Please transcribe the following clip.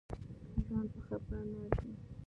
ژوند په خپګان نه ارزي